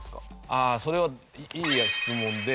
ああそれはいい質問で。